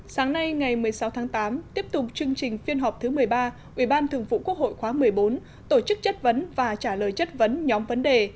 sáng nay ngày một mươi sáu tháng tám tiếp tục chương trình phiên họp thứ một mươi ba ubthqh khóa một mươi bốn tổ chức chất vấn và trả lời chất vấn nhóm vấn đề